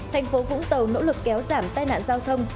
thành phố vũng tàu nỗ lực kéo giảm tai nạn giao thông